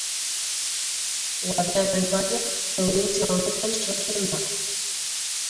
Guadiana ibaia probintzia honetan sortzen da.